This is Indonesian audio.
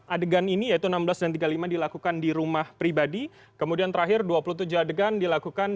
adegan ini yaitu enam belas dan tiga puluh lima dilakukan di rumah pribadi kemudian terakhir dua puluh tujuh adegan dilakukan